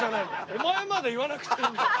お前まで言わなくていいんだよ。